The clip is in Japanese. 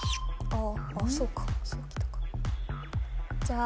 ああ